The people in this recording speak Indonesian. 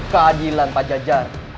keadilan pak jajah